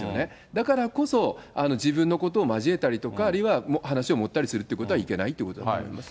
だからこそ、自分のことを交えたりとか、あるいは、話を盛ったりするということは、いけないということだと思います。